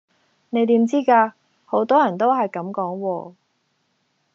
你點知㗎？好多人都係咁講喎